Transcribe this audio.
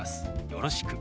「よろしく」。